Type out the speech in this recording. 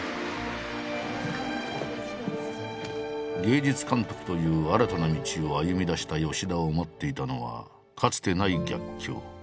芸術監督という新たな道を歩みだした吉田を待っていたのはかつてない逆境。